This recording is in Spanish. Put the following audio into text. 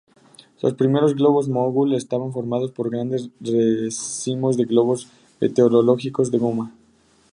Los primeros globos Mogul estaban formados por grandes racimos de globos meteorológicos de goma.